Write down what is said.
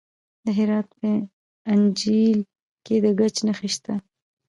د هرات په انجیل کې د ګچ نښې شته.